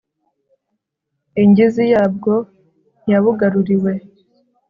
ingizi yabwo ntiyabugaruriwe